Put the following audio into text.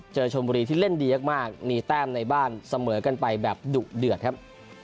ชมบุรีที่เล่นดีมากมีแต้มในบ้านเสมอกันไปแบบดุเดือดครับ